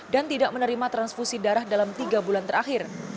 dan tidak menerima transfusi darah dalam tiga bulan terakhir